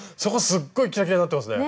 すっごいキラキラになってますね。